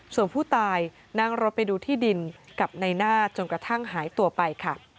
ส่วนผู้ตายนั่งรถไปดูที่ดินกับในหน้าจนกระทั่งหายตัวไปค่ะ